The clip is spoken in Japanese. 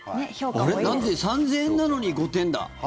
３０００円なのに５点だ。